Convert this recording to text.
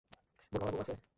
বোরকাওয়ালা বউও আছে?